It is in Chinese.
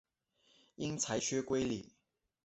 因裁缺归里。